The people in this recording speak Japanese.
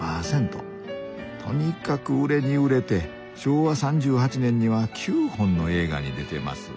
とにかく売れに売れて昭和３８年には９本の映画に出てます。